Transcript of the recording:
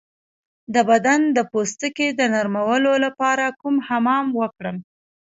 د بدن د پوستکي د نرمولو لپاره کوم حمام وکړم؟